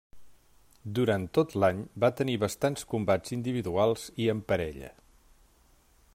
Durant tot l'any va tenir bastants combats individuals i en parella.